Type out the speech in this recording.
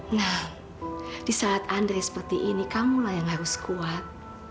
nah di saat andre seperti ini kamulah yang harus kuat